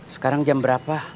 sekarang jam berapa